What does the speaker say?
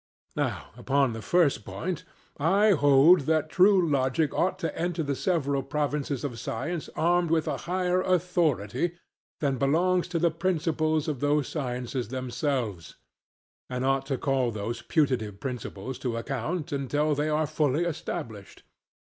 Now upon the first point, I hold that true logic ought to enter the several provinces of science armed with a higher authority than belongs to the principles of those sciences themselves, and ought to call those putative principles to account until they are fully established.